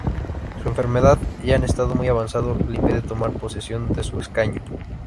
Su enfermedad ya en estado muy avanzado le impide tomar posesión de su escaño.